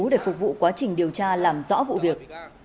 để phục vụ quá trình điều tra làm rõ vụ việc